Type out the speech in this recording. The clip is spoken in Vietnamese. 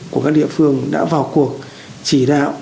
của các địa phương đã vào cuộc chỉ đạo